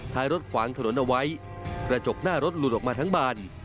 ท้ายรถขวางถนนเอาไว้กระจกหน้ารถหลุดออกมาทั้งบาน